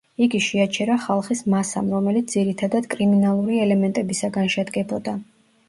იგი შეაჩერა ხალხის მასამ, რომელიც ძირითადად კრიმინალური ელემენტებისაგან შედგებოდა.